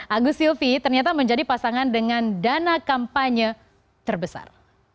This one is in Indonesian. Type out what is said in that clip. agus silvi ternyata menjadi pasangan dengan dana kampanye terbesar